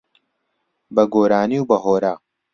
بە گۆرانی و بە هۆرە